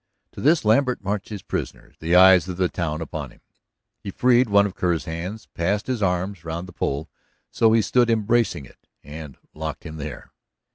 To this Lambert marched his prisoner, the eyes of the town on him. He freed one of Kerr's hands, passed his arms round the pole so he stood embracing it, and locked him there.